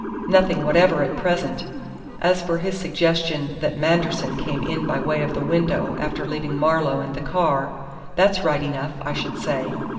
"Nothing whatever at present. As for his suggestion that Manderson came in by way of the window after leaving Marlowe and the car, that's right enough, I should say.